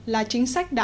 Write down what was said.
là chính sách đã định